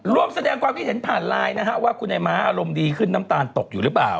ร่วมแสดงความคิดเห็นผ่านไลน์นะฮะว่าคุณไอ้ม้าอารมณ์ดีขึ้นน้ำตาลตกอยู่หรือเปล่า